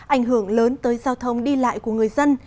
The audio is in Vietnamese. ảnh hưởng lớn tới giao thông đi lại của người dân